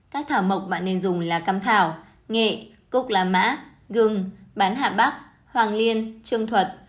các thảo mộc bạn nên dùng là cam thảo nghệ cúc lá mã gừng bán hạ bắc hoàng liên trương thuật